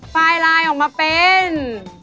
ไฟล์ไลน์ออกมาเป็น